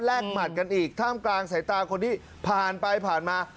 หมัดกันอีกท่ามกลางสายตาคนที่ผ่านไปผ่านมา